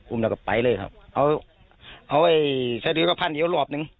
อุ่มแล้วก็ไปเลยครับเอาเอาไอ้แสดงกระพั่นเหี้ยวรอบหนึ่ง